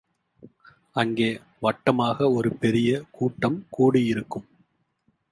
அங்கே வட்டமாக ஒரு பெரிய கூட்டம் கூடியிருக்கும்.